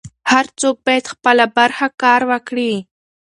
هر څوک بايد خپله برخه کار وکړي.